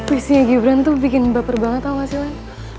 puisinya gibran tuh bikin baper banget tau gak sih lan